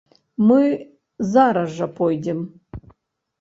Мы зараз жа пойдзем.